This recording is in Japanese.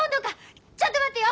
ちょっと待ってよ